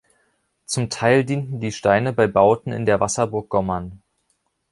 Zum Teil dienten die Steine bei Bauten in der Wasserburg Gommern.